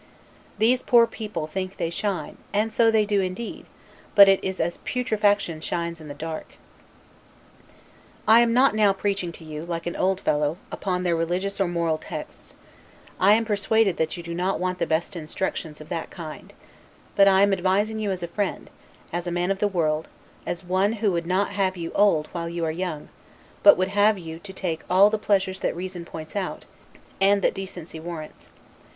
These poor mistaken people think they shine, and so they do indeed; but it is as putrefaction shines in the dark. I am not now preaching to you, like an old fellow, upon their religious or moral texts; I am persuaded that you do not want the best instructions of that kind: but I am advising you as a friend, as a man of the world, as one who would not have you old while you are young, but would have you to take all the pleasures that reason points out, and that decency warrants.